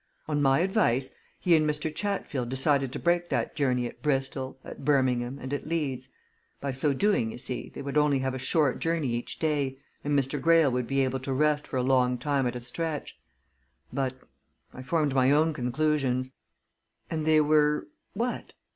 On my advice, he and Mr. Chatfield decided to break that journey at Bristol, at Birmingham, and at Leeds. By so doing, you see, they would only have a short journey each day, and Mr. Greyle would be able to rest for a long time at a stretch. But I formed my own conclusions." "And they were what?"